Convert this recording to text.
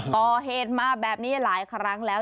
ก่อเหตุมาแบบนี้หลายครั้งแล้ว